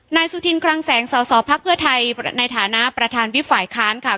สุธินคลังแสงสสพักเพื่อไทยในฐานะประธานวิบฝ่ายค้านค่ะ